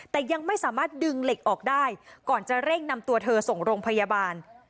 แต่ยังไม่สามารถดึงเหล็กออกได้ก่อนจะเร่งนำตัวเธอส่งโรงพยาบาล